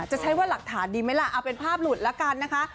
จะใช้ว่าหลักฐานดีไหมล่ะเอาเป็นภาพหลุดละกันนะคะ